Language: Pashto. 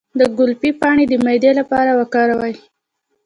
د ګلپي پاڼې د معدې لپاره وکاروئ